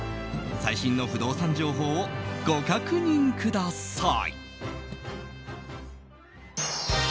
最新の不動産情報をご確認ください。